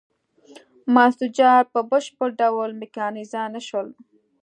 منسوجات په بشپړ ډول میکانیزه نه شول.